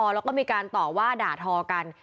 แล้วก็มีการต่อว่าด่าทอกัน